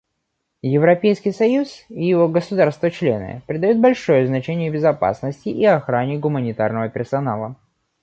Европейский союз и его государства-члены придают большое значение безопасности и охране гуманитарного персонала.